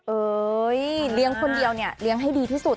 เอ้ยเลี้ยงคนเดียวเนี่ยเลี้ยงให้ดีที่สุด